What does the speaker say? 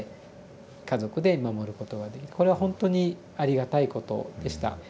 これはほんとにありがたいことでした。